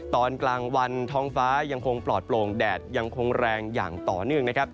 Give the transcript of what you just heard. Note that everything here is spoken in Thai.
ตอนกลางวันท้องฟ้ายังคงปลอดโปร่งแดดยังคงแรงอย่างต่อเนื่องนะครับ